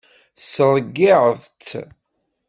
Tesreyyiεeḍ-tt.